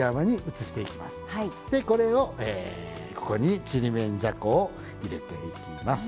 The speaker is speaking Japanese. でこれをここにちりめんじゃこを入れていきます。